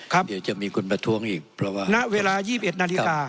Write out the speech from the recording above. เดี๋ยวจะมีคนประท้วงอีกเพราะว่าณเวลา๒๑นาฬิกา